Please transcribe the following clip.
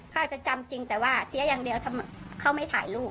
เค้าจะจำจริงแต่ซ้ายังเดียวเค้าไม่ถ่ายรูป